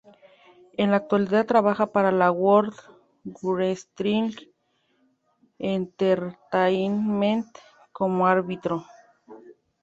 En la actualidad trabaja para la World Wrestling Entertainment como árbitro.